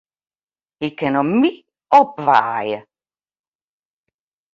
Hy kin om my opwaaie.